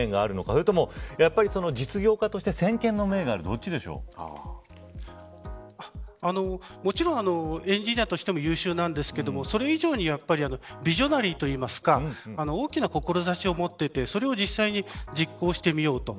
それでも、やはり実業として先見の明があるもちろん、エンジニアとしても優秀なんですけれどもそれ以上にやっぱりビジョナリーといいますか大きな志を持っていてそれを実際に実行してみようと。